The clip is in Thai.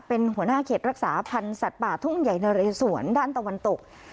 เป็นหัวหน้าเขตรักษาพันธ์สัตว์ป่าทุ่งใหญ่นะเรสวนด้านตะวันตก